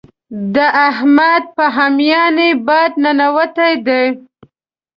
د احمد په هميانۍ باد ننوتی دی.